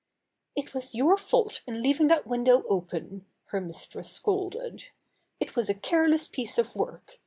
"It was your fault in leaving that window open," her mistress scolded. "It was a care less piece of work.